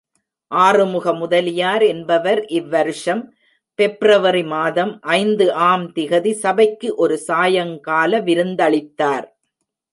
ஆறுமுக முதலியார் என்பவர் இவ் வருஷம் பிப்ரவரி மாதம் ஐந்து ஆம் தேதி, சபைக்கு ஒரு சாயங்கால விருந்தளித்தார்.